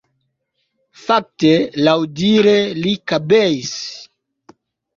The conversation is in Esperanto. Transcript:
Fakte, laŭdire, li kabeis.